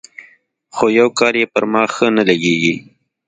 خو يو کار يې پر ما ښه نه لګېږي.